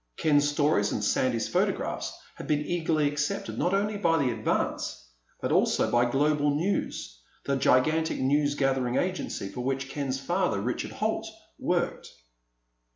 Ken's stories and Sandy's photographs had been eagerly accepted not only by the Advance, but also by Global News, the gigantic news gathering agency for which Ken's father, Richard Holt, worked.